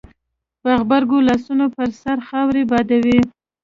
په غبرګو لاسونو يې پر سر خاورې بادولې.